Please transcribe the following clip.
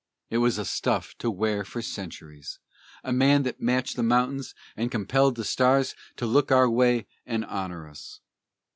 It was a stuff to wear for centuries, A man that matched the mountains, and compelled The stars to look our way and honor us.